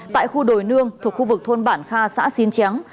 tại khu đồi nương thuộc khu vực thôn bản kha xã xín tráng